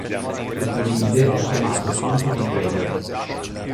Questo limite è chiamato punto di Draper.